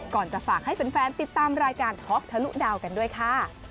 จะฝากให้แฟนติดตามรายการท็อกทะลุดาวกันด้วยค่ะ